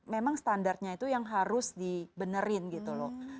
memang standarnya itu yang harus di benerin gitu loh